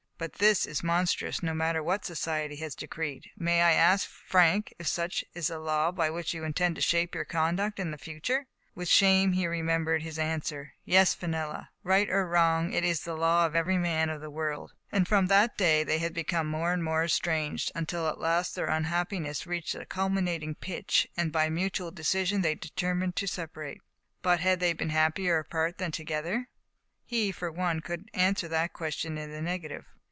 " But this is monstrous, no matter what Society has decreed. May I ask, Frank, if such is the law by which you intend to shape your conduct in the future?*' Digitized by Google Mrs. EDWARD KENI^ARD, 157 With shame, he remembered his answer. '* Yes, Fenella. Right or wrong, it is the law of every man of the world." And from that day they had become more and more estranged, until at last their unhappiness reached a culminating pitch, and by mutual de sire, they determined to separate. But had they been happier apart than together? He, for one, could answer that question in the negative.